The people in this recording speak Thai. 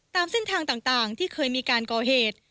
ตามเส้นทางต่างที่เคยมีการก่อเหตุ